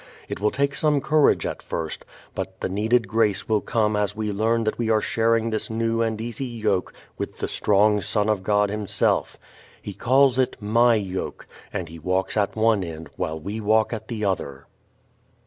It will take some courage at first, but the needed grace will come as we learn that we are sharing this new and easy yoke with the strong Son of God Himself. He calls it "my yoke," and He walks at one end while we walk at the other.